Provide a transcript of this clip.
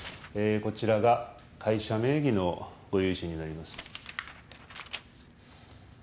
こちらが会社名義のご融資になります。